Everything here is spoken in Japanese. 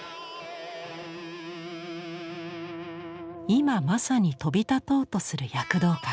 今まさに飛び立とうとする躍動感